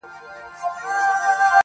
چي په زړه کي څه در تېر نه سي آسمانه٫